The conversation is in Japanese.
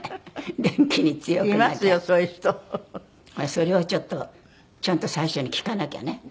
それをちょっとちゃんと最初に聞かなきゃね